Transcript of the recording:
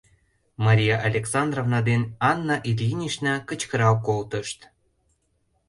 — Мария Александровна ден Анна Ильинична кычкырал колтышт.